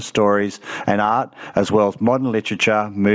serta literatur modern film dan seni